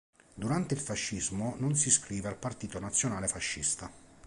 Durante il fascismo non si iscrive al Partito Nazionale Fascista.